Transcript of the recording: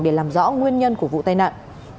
để làm rõ nguyên nhân của vụ tai nạn